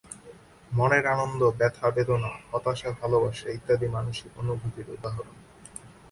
মনের আনন্দ, ব্যাথা-বেদনা, হতাশা, ভালোবাসা ইত্যাদি মানসিক অনুভূতির উদাহরণ।